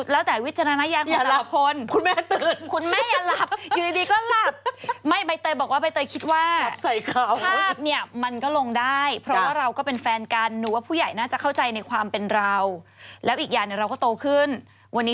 แล้วอีกอย่างเราก็โตขึ้น